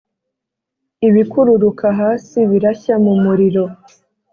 ibikururuka hasi birashya mu muriro,